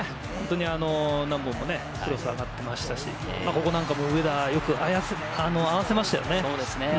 何本もクロスが上がっていましたし、ここなんかも上田がよく合わせましたよね。